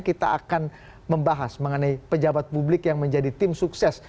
kita akan membahas mengenai pejabat publik yang menjadi tim sukses